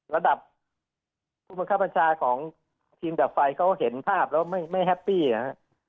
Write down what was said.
ระดับภูมิคับปัญชาของทีมดับไฟเขาเห็นภาพแล้วไม่ไม่แฮปปี้อ่ะฮะอ๋อ